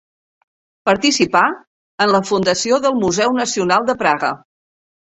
Participà en la fundació del Museu Nacional de Praga.